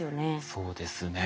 そうですね。